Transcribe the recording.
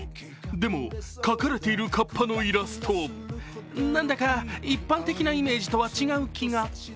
でも書かれているかっぱのイラスト、なんだか一般的なイメージとは違う気が。